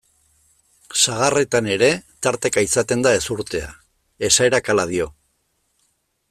Sagarretan ere tarteka izaten da ezurtea, esaerak hala dio.